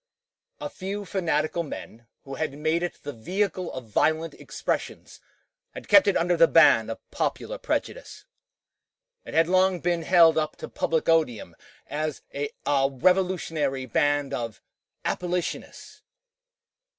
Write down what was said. A few fanatical men, who had made it the vehicle of violent expressions, had kept it under the ban of popular prejudice. It had long been held up to public odium as a revolutionary band of "abolitionists."